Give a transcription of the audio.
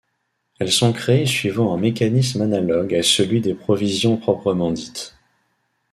Elles sont créées suivant un mécanisme analogue à celui des provisions proprement dites.